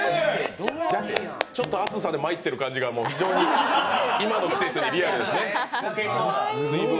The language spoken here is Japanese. ちょっと暑さでまいってる感じが、非常に今の季節にリアルですね。